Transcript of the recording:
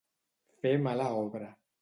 Fer mala obra.